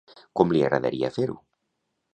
Com li agradaria fer-ho?